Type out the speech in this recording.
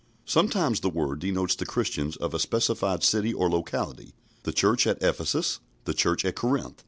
Sometimes the word denotes the Christians of a specified city or locality the Church at Ephesus, the Church at Corinth.